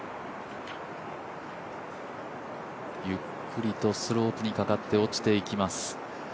ゆっくりとスロープにかかって落ちていきます。